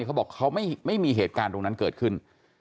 เขาบอกเขาไม่มีเหตุการณ์ตรงนั้นเกิดขึ้น